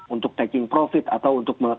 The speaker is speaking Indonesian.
untuk taking profit atau untuk